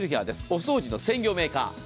お掃除の専用メーカー。